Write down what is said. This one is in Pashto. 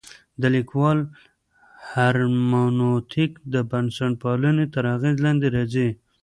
د لیکوال هرمنوتیک د بنسټپالنې تر اغېز لاندې راځي.